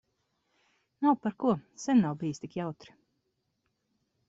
Nav par ko. Sen nav bijis tik jautri.